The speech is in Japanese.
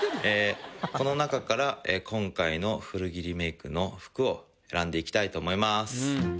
この中から今回の古着リメイクの服を選んでいきたいと思います。